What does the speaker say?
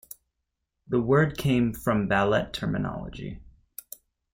The word came from ballet terminology.